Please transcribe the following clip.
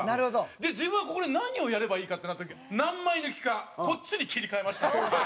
で自分はここで何をやればいいかってなった時に何枚抜きかこっちに切り替えましたね。